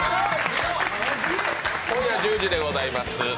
今夜１０時でございます。